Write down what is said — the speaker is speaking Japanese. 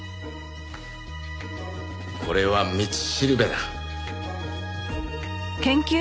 これは道しるべだ。